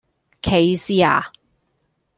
歧視呀?